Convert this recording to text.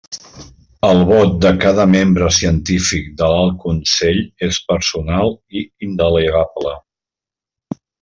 El vot de cada membre científic de l'Alt Consell és personal i indelegable.